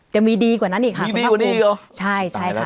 จะมีดีกว่านั้นอีกค่ะมีดีกว่านี้หรอใช่ใช่ค่ะ